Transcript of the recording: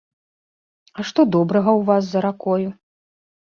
А што добрага ў вас за ракою?